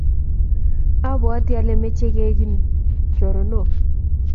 abwatiii ale mechei keekiun chronok.